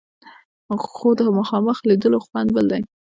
خو د مخامخ لیدلو خوند بل دی.